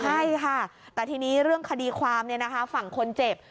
ใช่ค่ะแต่ทีนี้เรื่องคดีความฝั่งคนเจ็บ